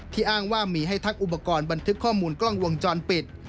อ้างว่ามีให้ทักอุปกรณ์บันทึกข้อมูลกล้องวงจรปิด